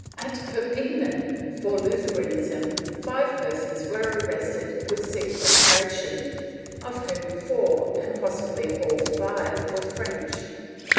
At Per pignan, for Lutheranism, five persons were arrested with seques tration, of whom four, and possibly all five, were French.